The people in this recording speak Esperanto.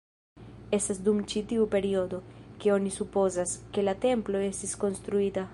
Estas dum ĉi tiu periodo, ke oni supozas, ke la templo estis konstruita.